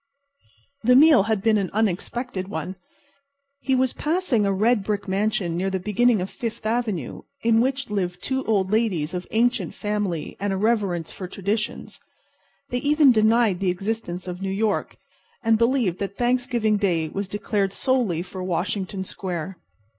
The meal had been an unexpected one. He was passing a red brick mansion near the beginning of Fifth avenue, in which lived two old ladies of ancient family and a reverence for traditions. They even denied the existence of New York, and believed that Thanksgiving Day was declared solely for Washington Square.